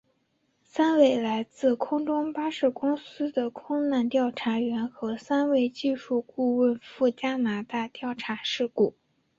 三位来自空中巴士公司的空难调查员和两位技术顾问赴加拿大调查事故。